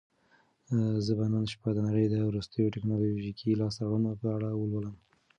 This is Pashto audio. زه به نن شپه د نړۍ د وروستیو ټیکنالوژیکي لاسته راوړنو په اړه ولولم.